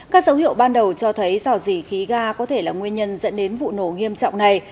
các dấu hiệu ban đầu cho thấy dò dỉ khí ga có thể là nguyên nhân dẫn đến vụ nổ nghiêm trọng này